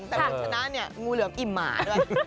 แต่หลังจากนั้นเนี่ยงูเหลืองอิ่มหมาด้วย